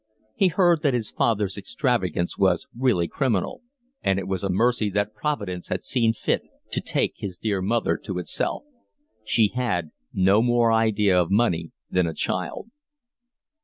He heard that his father's extravagance was really criminal, and it was a mercy that Providence had seen fit to take his dear mother to itself: she had no more idea of money than a child.